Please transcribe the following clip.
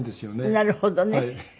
なるほどね。